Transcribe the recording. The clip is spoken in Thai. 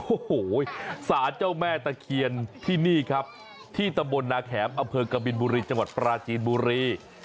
โอ้โหสารเจ้าแม่ตะเคียนที่นี่ครับที่ตำบลนาแขมอำเภอกบินบุรีจังหวัดปราจีนบุรี